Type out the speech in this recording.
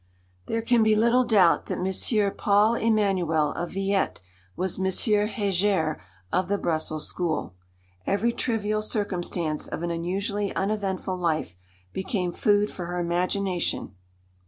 There can be little doubt that M. Paul Emanuel of Villette was M. Héger of the Brussels school. Every trivial circumstance of an unusually uneventful life became food for her imagination.